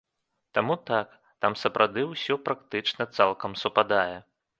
Таму так, там сапраўды ўсё практычна цалкам супадае.